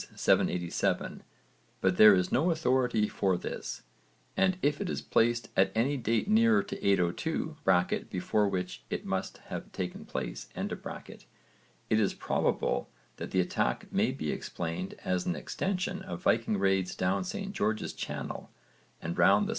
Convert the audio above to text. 787, but there is no authority for this, and if it is placed at any date nearer to 802 (before which it must have taken place), it is probable that the attack may be explained as an extension of Viking raids down St George's Channel and round the S.W.